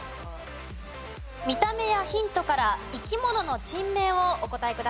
見た目やヒントから生き物の珍名をお答えください。